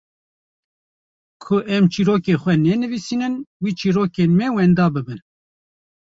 ku em çîrokên xwe nenivîsînin wê çîrokên me wenda bibin.